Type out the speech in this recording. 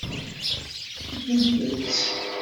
Ǧǧemt-tt.